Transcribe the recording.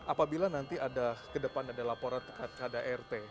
apabila nanti ada kedepan ada laporan ke kdrt